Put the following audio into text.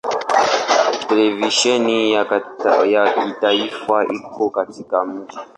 Televisheni ya kitaifa iko katika mji.